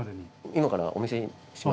今からお見せします。